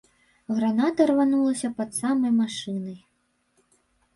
Граната рванулася пад самай машынай.